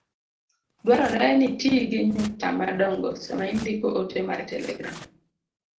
Dwarore ni iti gi nyukta madongo sama indiko ote mar telegram.